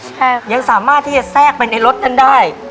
ใช่ค่ะยังสามารถที่จะแทรกไปในรถกันได้